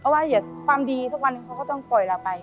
ให้ความดีทุกวันนึงเขาก็ต้องปล่อยใหร่อาไป